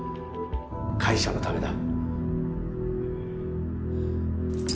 会社のためだ。